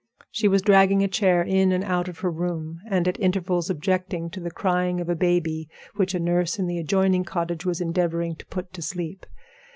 She was dragging a chair in and out of her room, and at intervals objecting to the crying of a baby, which a nurse in the adjoining cottage was endeavoring to put to sleep.